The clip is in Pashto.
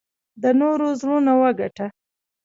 د نورو زړونه وګټه .